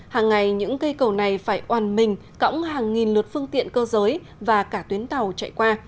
hàng ngày những cây cầu này phải oàn mình cõng hàng nghìn lượt phương tiện cơ giới và cả tuyến tàu chạy qua